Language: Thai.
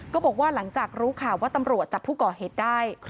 ก็บอกว่าหลังจากรู้ข่าวว่าตำรวจจับผู้ก่อเหตุได้